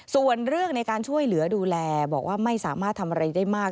ส่วนเรื่องในการช่วยเหลือดูแลบอกว่าไม่สามารถทำอะไรได้มาก